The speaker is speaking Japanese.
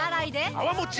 泡もち